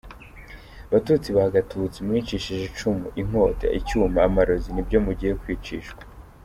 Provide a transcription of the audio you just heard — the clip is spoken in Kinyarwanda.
Batutsi ba Gatutsi, mwicishije icumu, inkota, icyuma, amarozi, ni byo mugiye kwicishwa.